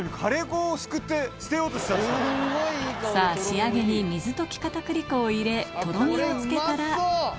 さぁ仕上げに水溶き片栗粉を入れとろみをつけたらこれうまそう！